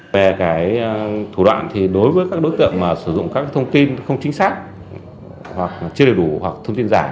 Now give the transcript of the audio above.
về cái thủ đoạn thì đối với các đối tượng mà sử dụng các thông tin không chính xác hoặc chưa đầy đủ hoặc thông tin giả